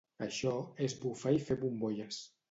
Això és bufar i fer bombolles